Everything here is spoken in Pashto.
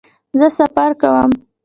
زه سفر کوم